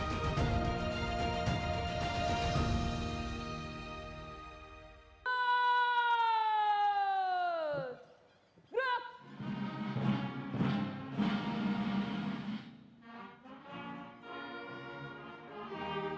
dengan memohon rito allah yang maha kuasa